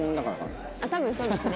多分そうですね。